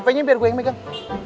hp nya biar gue yang megang